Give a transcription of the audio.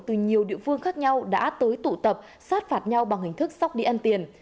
từ nhiều địa phương khác nhau đã tới tụ tập sát phạt nhau bằng hình thức sóc đi ăn tiền